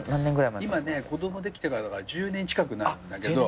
今ね子供できてからだから１０年近くなるんだけど。